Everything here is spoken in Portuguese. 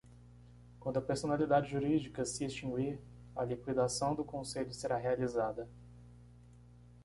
Quando a personalidade jurídica se extinguir, a liquidação do Conselho será realizada.